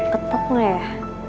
ketok gak ya